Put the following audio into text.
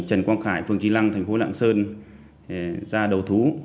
trần quang khải phường tri lăng thành phố lạng sơn ra đầu thú